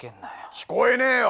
聞こえねえよ